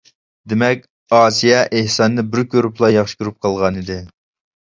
دېمەك، ئاسىيە ئېھساننى بىر كۆرۈپلا ياخشى كۆرۈپ قالغانىدى.